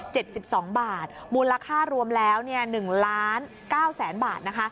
เจ็ดสิบสองบาทมูลราคารวมแล้วเนี่ยหนึ่งล้านเก้าแสนบาท